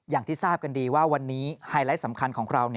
อย่างที่ทราบกันดีว่าวันนี้ไฮไลท์สำคัญของเรา